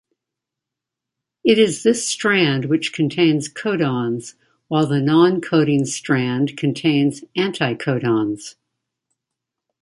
It is this strand which contains codons, while the non-coding strand contains anticodons.